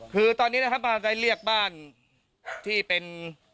คือตอนนี้นะครับเราจะได้เรียกบ้านที่เป็น